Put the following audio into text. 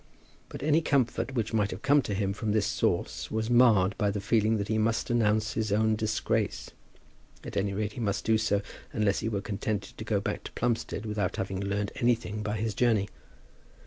But any comfort which might have come to him from this source was marred by the feeling that he must announce his own disgrace. At any rate he must do so, unless he were contented to go back to Plumstead without having learned anything by his journey.